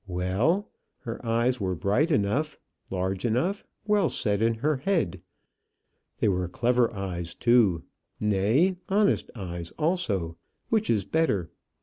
Well, her eyes were bright enough, large enough, well set in her head. They were clever eyes too nay, honest eyes also, which is better.